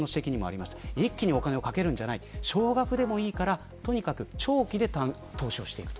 一気にお金をかけるんじゃなくて少額でもいいからとにかく長期で投資をしていく。